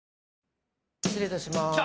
失礼いたします。